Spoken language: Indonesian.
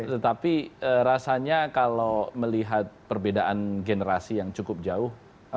tetapi rasanya kalau melihat perbedaan generasi yang ada di indonesia